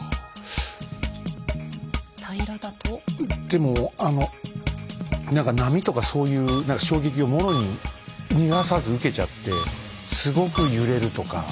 でもあの波とかそういう衝撃をもろに逃がさず受けちゃってすごく揺れるとか？